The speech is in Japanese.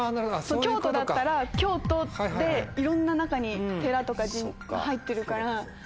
そう京都だったら「京都」でいろんな中に寺とか入ってるから。